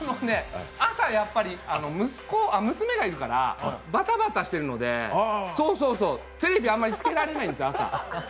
朝、娘がいるからバタバタしてるので、そうそうそう、テレビあんまりつけられないんですよ、朝。